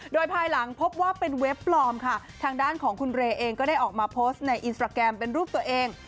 โดยภายหลังพบว่าเป็นเว็บปลอมค่ะทางด้านของคุณเรย์เองก็ได้ออกมาโพสต์ในอินสตราแกรมเป็นรูปตัวเอง